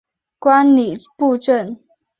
观礼部政。